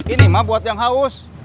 ini mah buat yang haus